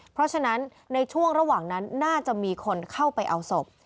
เพราะฉะนั้นในช่วงระหว่างนั้นน่าจะมีคนเข้าไปเอาศพ